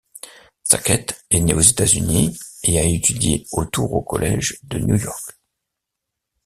Sackett est né aux États-Unis et a étudié au Touro College de New York.